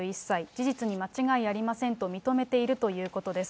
事実に間違いありませんと認めているということです。